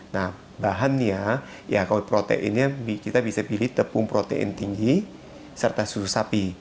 nah bahannya ya kalau proteinnya kita bisa pilih tepung protein tinggi serta susu sapi